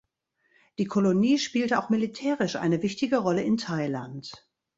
Die Kolonie spielte auch militärisch eine wichtige Rolle in Thailand.